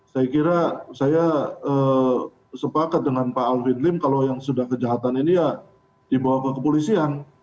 saya kira saya sepakat dengan pak alvin lim kalau yang sudah kejahatan ini ya dibawa ke kepolisian